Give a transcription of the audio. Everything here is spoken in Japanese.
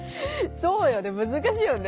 そうよねむずかしいよね。